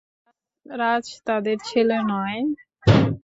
রাজ তাদের ছেলে নয়?